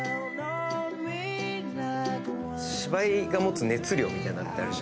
芝居が持つ熱量みたいなのってあるじゃん。